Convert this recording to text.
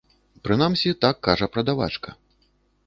Прынамсі, так кажа прадавачка.